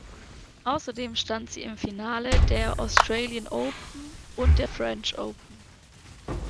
Außerdem stand sie im Finale der Australian Open und der French Open.